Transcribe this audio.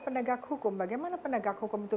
penegak hukum bagaimana penegak hukum itu